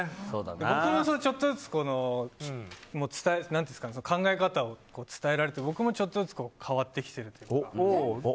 僕もちょっとずつ考え方を伝えられて僕も変わってきてるというか。